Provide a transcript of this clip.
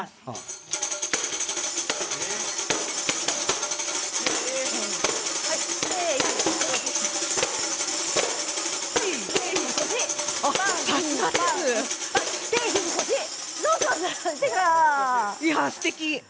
いやあ、すてき。